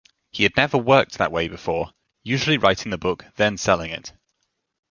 He had never worked that way before, usually writing the book then selling it.